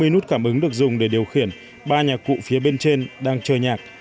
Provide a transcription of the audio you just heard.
bảy trăm hai mươi nút cảm ứng được dùng để điều khiển ba nhạc cụ phía bên trên đang chơi nhạc